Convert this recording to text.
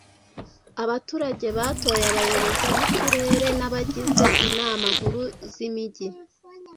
Abaturage batoye abayobozi b’ uturere n’ abagize inama nkuru z’ imijyi